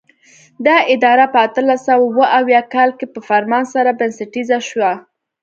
دا اداره په اتلس سوه اوه اویا کال کې په فرمان سره بنسټیزه شوه.